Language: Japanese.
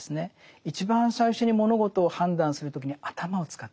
一番最初に物事を判断する時に頭を使っちゃう。